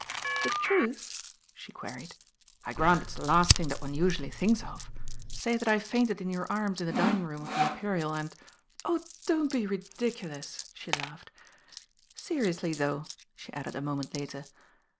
' "The truth?" she queried. "I grant it's the last thing that one usually thinks Of. bay that I fainted in your arms in the dining, room of the Imperial and " "Oh, don't be ridiculous," she laughed. "Seri ously though," she added a moment later.